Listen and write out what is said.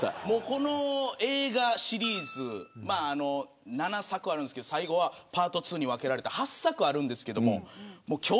この映画シリーズ７作あるんですけど最後はパート２に分けられて８作あります。